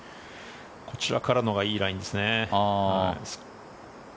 こちらからのがいいラインですね。